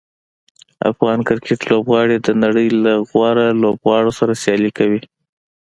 افغان کرکټ لوبغاړي د نړۍ له غوره لوبغاړو سره سیالي کوي.